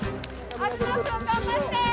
東君頑張って！